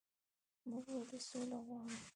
موږ ولې سوله غواړو؟